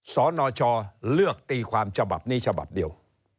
สนชเลือกตีความฉบับนี้ฉบับเดียว